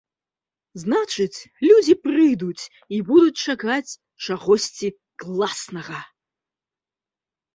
Значыць, людзі прыйдуць і будуць чакаць чагосьці класнага.